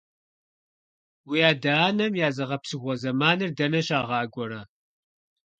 Уи адэ-анэм я зыгъэпсэхугъуэ зэманыр дэнэ щагъакӀуэрэ?